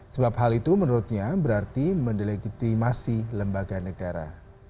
sebab hal itu menurutnya berarti mendelegitimasi lembaga negara